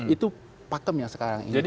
itu pakem yang sekarang ini